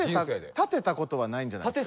たてたことはないんじゃないすか？